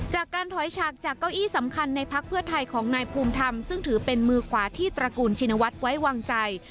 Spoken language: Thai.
จากการถอยฉากจากเก้าอี้สำคัญในพักเพื่อไทยของนายภูมิธรรมซึ่งถือเป็นมือขวาที่ตระกูลชินวัฒน์ไว้วางใจ